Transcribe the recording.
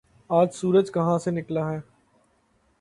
آج سورج کہاں سے نکلا ہے